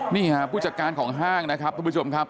นี่ค่ะผู้จัดการของห้างนะครับทุกผู้ชมครับ